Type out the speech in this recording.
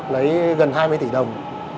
lấy gần hai mươi tỷ đồng